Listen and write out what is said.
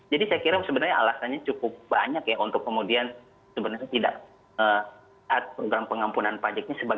jadi saya kira sebenarnya alasannya cukup banyak ya untuk kemudian sebenarnya tidak program pengampunan pajaknya